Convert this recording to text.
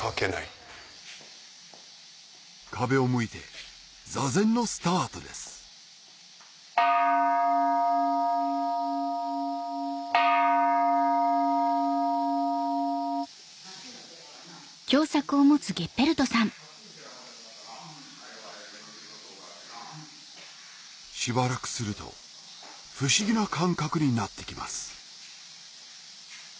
壁を向いて座禅のスタートですしばらくすると不思議な感覚になってきます